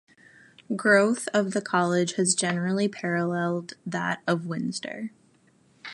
Growth of the college has generally paralleled that of Windsor.